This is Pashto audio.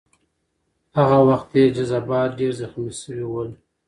هغه وخت یې جذبات ډېر زخمي شوي ول.